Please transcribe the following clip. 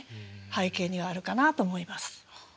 背景にはあるかなと思います。